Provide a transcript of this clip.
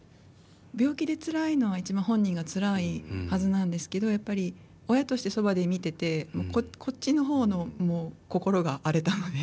病気でつらいのは一番本人がつらいはずなんですけどやっぱり親としてそばで見ててこっちの方の心が荒れたので。